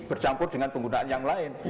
bercampur dengan penggunaan yang lain